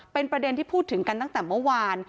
เป็นประเด็นที่พูดถึงกันตั้งแต่เมื่อวาน